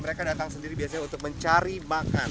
mereka datang sendiri biasanya untuk mencari makan